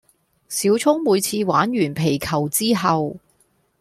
小聰每次玩完皮球之後